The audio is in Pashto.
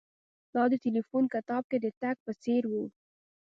دا د ټیلیفون کتاب کې د تګ په څیر و